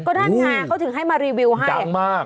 ก็ท่านงานเขาถึงให้มารีวิวให้ดังมาก